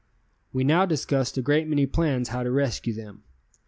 We now discussed a great many plans how to rescue them.